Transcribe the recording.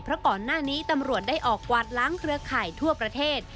เพราะก่อนหน้านี้ตำรวจได้ออกกวาดล้างเครือข่ายทั่วประเทศ